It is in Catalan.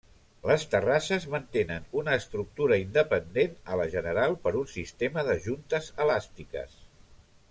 Les terrasses mantenen una estructura independent a la general per un sistema de juntes elàstiques.